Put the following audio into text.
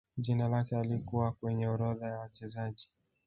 Jina lake halikuwa kwenye orodha ya wachezaji